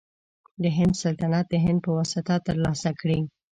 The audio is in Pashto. د هند سلطنت د هغه په واسطه تر لاسه کړي.